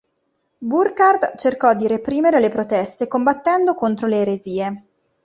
Burkhard cercò di reprimere le proteste combattendo contro le eresie.